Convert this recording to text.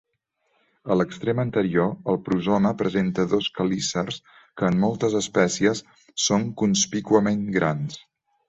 A l'extrem anterior, el prosoma presenta dos quelícers que, en moltes espècies, són conspícuament grans.